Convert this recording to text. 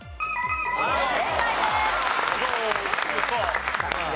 正解です！